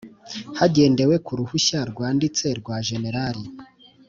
Hagendewe ku ruhushya rwanditse rwa generali